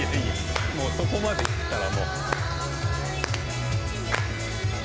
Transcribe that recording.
もうそこまでいったら。